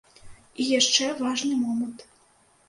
І яшчэ важны момант.